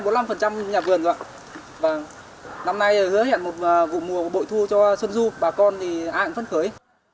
và năm nay hứa hẹn một mùa bội thu cho xuân du bà con thì ai cũng phân khởi